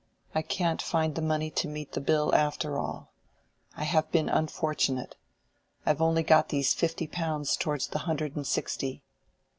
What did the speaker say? I can't find the money to meet the bill after all. I have been unfortunate; I have only got these fifty pounds towards the hundred and sixty."